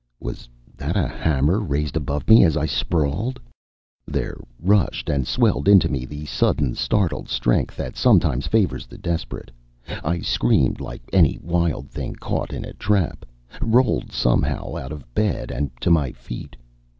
Was that a hammer raised above me as I sprawled? There rushed and swelled into me the sudden startled strength that sometimes favors the desperate. I screamed like any wild thing caught in a trap, rolled somehow out of bed and to my feet.